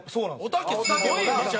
おたけすごいよ。